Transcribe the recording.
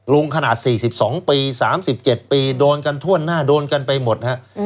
ขนาด๔๒ปี๓๗ปีโดนกันทั่วหน้าโดนกันไปหมดฮะ